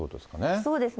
そうですね。